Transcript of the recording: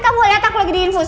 kamu liat aku lagi di infus